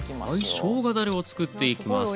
はいしょうがだれを作っていきます。